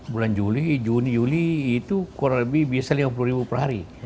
bulan juli juni juli itu kurang lebih biasa lima puluh ribu per hari